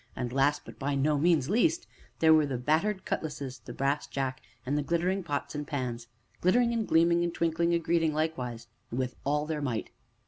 And (last, but by no means least) there were the battered cutlasses, the brass jack, and the glittering pots and pans glittering and gleaming and twinkling a greeting likewise, and with all their might.